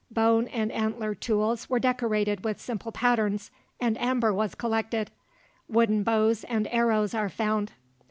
Bone and antler tools were decorated with simple patterns, and amber was collected. Wooden bows and arrows are found.